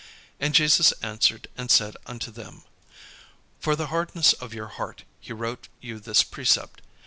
And Jesus answered and said unto them: "For the hardness of your heart he wrote you this precept.